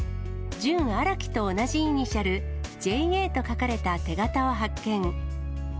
ジュン・アラキと同じイニシャル、Ｊ・Ａと書かれた手形を発見。